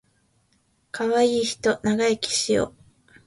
かわいいひと長生きしよ